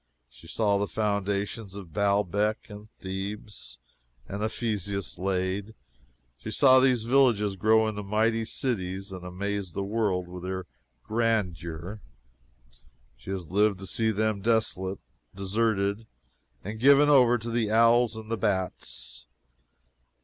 She saw the foundations of Baalbec, and Thebes, and Ephesus laid; she saw these villages grow into mighty cities, and amaze the world with their grandeur and she has lived to see them desolate, deserted, and given over to the owls and the bats.